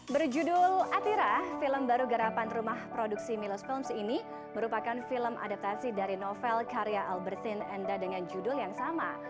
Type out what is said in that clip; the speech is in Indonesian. berjudul atira film baru gerapan rumah produksi milos films ini merupakan film adaptasi dari novel karya albersin enda dengan judul yang sama